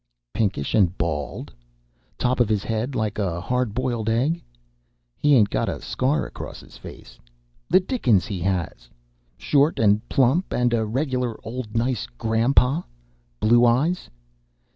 "Pinkish, and bald? Top of his head like a hard boiled egg? He ain't got a scar across his face? The dickens he has! Short and plump, and a reg'lar old nice grandpa? Blue eyes?